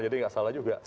jadi tidak salah juga